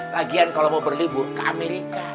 lagian kalau mau berlibur ke amerika